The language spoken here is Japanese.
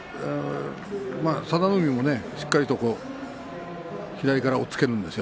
佐田の海も、しっかりと左から押っつけるんですよ